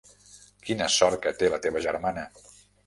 Quina sort que té la teva germana.